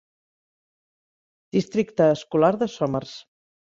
Districte escolar de Somers.